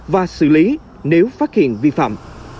và xử lý nếu phát hiện vi phạm